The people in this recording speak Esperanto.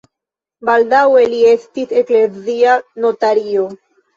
Baldaŭe li estis eklezia notario.